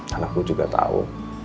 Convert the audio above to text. dan aku juga tau